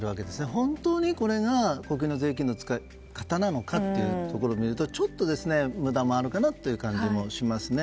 本当に、これが国民の税金の使い方なのかとみるとちょっと無駄もあるかなという感じもしますね。